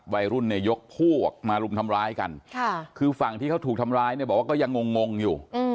วัยรุ่นเนี่ยยกพวกออกมารุมทำร้ายกันคือฝั่งที่เขาถูกทำร้ายเนี่ยบอกว่าก็ยังงงอยู่